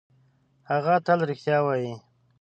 هغه تل رښتیا وايي.